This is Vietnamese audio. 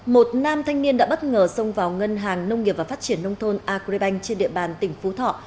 một nam thanh niên đã bất ngờ xông vào ngân hàng nông nghiệp và phát triển nông thôn agribank trên địa bàn tỉnh phú thọ